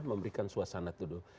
memberikan suasana duduk